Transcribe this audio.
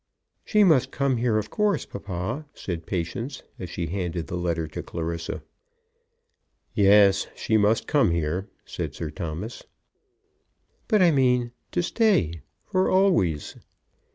"She must come here, of course, papa," said Patience, as she handed the letter to Clarissa. "Yes, she must come here," said Sir Thomas. "But I mean, to stay, for always."